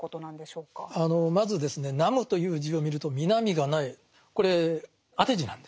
まずですね「南無」という字を見ると「南」が無いこれ当て字なんです。